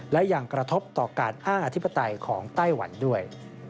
และยังกระทบต่อการอ้างอธิปไตยของไต้หวันด้วย